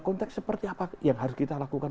konteks seperti apa yang harus kita lakukan